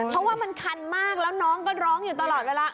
เพราะว่ามันคันมากแล้วน้องก็ร้องอยู่ตลอดเวลา